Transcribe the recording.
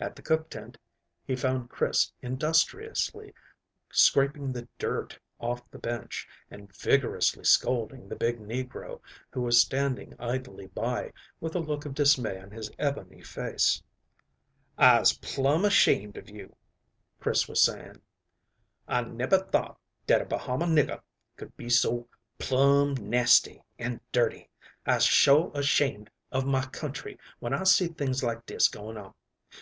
At the cook tent he found Chris industriously scraping the dirt off the bench, and vigorously scolding the big negro, who was standing idly by, with a look of dismay on his ebony face. "I'ze plum ashamed of you," Chris was saying. "I nebber thought dat a Bahama nigger could be so plum nasty and dirty. I'se sho' ashamed of my country when I see things like dis going on.